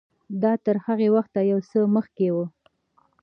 دا تر هغه وخته یو څه مخکې و.